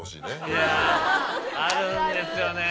いやあるんですよね。